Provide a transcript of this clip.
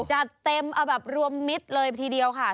จัดเต็มเอาแบบรวมมิตรเลยทีเดียวค่ะ